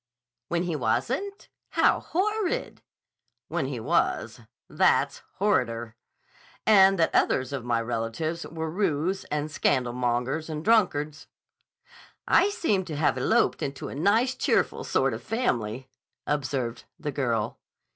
"When he wasn't? How horrid!" "When he was. That's horrider. And that others of my relatives were roués and scandalmongers and drunkards." "I seem to have eloped into a nice cheerful sort of family," observed the girl.